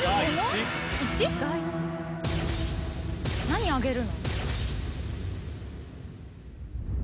何揚げるの？